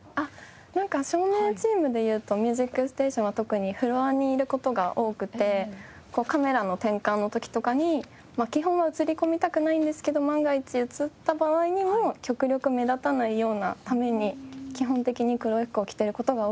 なんか照明チームでいうと『ＭＵＳＩＣＳＴＡＴＩＯＮ』は特にフロアにいる事が多くてカメラの転換の時とかに基本は映り込みたくないんですけど万が一映った場合にも極力目立たないようなために基本的に黒い服を着ている事が多いです。